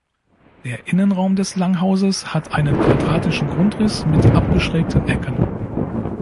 Der Innenraum des Langhauses hat einen quadratischen Grundriss mit abgeschrägten Ecken.